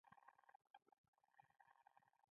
په نولسمې پېړۍ کې سپین پوستو د رایې ورکونې حق درلود.